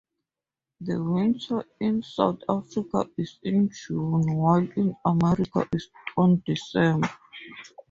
The winter in South Africa is in June, while in America is on December.